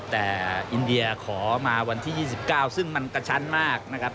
แต่อินเดียขอมาวันที่๒๙ซึ่งมันกระชั้นมากนะครับ